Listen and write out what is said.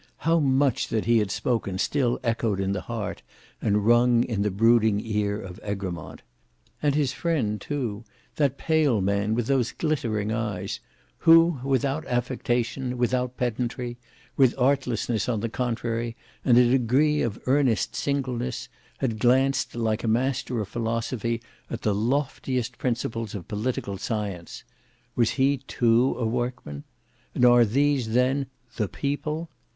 How much that he had spoken still echoed in the heart, and rung in the brooding ear of Egremont. And his friend, too, that pale man with those glittering eyes, who without affectation, without pedantry, with artlessness on the contrary and a degree of earnest singleness, had glanced like a master of philosophy at the loftiest principles of political science,—was he too a workman? And are these then THE PEOPLE?